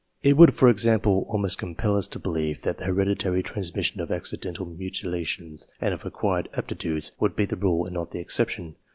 It would, for example, almost compel us to believe that the hereditary trans mission of accidental mutilations and of acquired aptitudes would be the rule and not the exception.